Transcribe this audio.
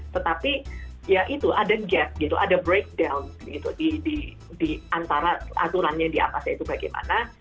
tetapi ya itu ada gap gitu ada breakdown gitu di antara aturannya di atasnya itu bagaimana